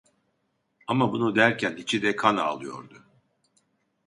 Ama bunu derken içi de kan ağlıyordu.